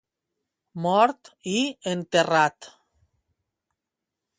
Mort i enterrat.